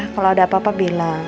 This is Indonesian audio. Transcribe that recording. kalau ada apa apa bilang